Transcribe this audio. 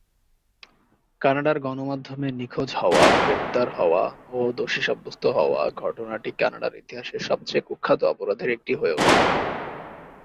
কানাডার গণমাধ্যমে নিখোঁজ হওয়া, গ্রেপ্তার হওয়া ও দোষী সাব্যস্ত হওয়া ঘটনাটি কানাডার ইতিহাসের সবচেয়ে কুখ্যাত অপরাধের একটি হয়ে ওঠে।